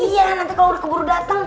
iya nanti kalau harus keburu datang